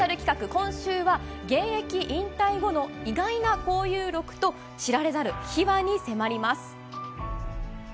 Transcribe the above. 今週は現役引退後の意外な交友録と知られざる秘話に迫ります。